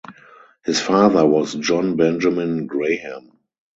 His father was John Benjamin Graham.